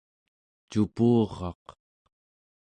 cupuraq